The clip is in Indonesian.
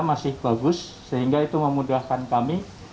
masih bagus sehingga itu memudahkan kami